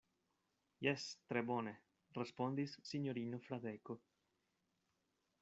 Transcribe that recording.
Jes, tre bone, respondis sinjorino Fradeko.